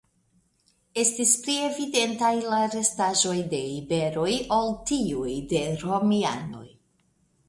Estis pli evidentaj la restaĵoj de iberoj ol tiuj de romianoj.